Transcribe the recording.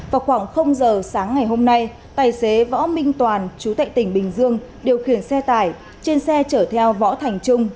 vào khoảng giờ sáng ngày hôm nay tài xế võ minh toàn chú tệ tỉnh bình dương điều khiển xe tải trên xe chở theo võ thành trung